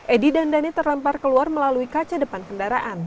edy dan dani terlempar keluar melalui kaca depan kendaraan